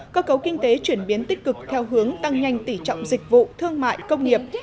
cơ cấu kinh tế chuyển biến tích cực theo hướng tăng nhanh tỉ trọng dịch vụ thương mại công nghiệp